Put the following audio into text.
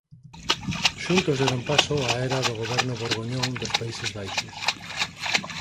Xuntos deron paso á era de goberno borgoñón dos Países Baixos.